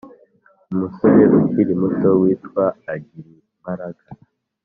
umusore ukiri muto witwa ajyirimbaraga.